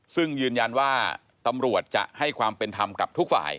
ซึ่งยืนยันว่าตำรวจจะให้ความเป็นธรรมกับทุกฝ่าย